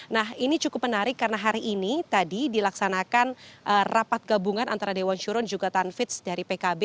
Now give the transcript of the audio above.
nah ini cukup menarik karena hari ini tadi dilaksanakan rapat gabungan antara dewan syuron juga tanfitz dari pkb